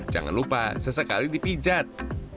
jangan lupa sesekali dipijat